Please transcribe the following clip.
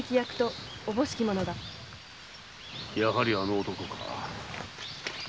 やはりあの男か。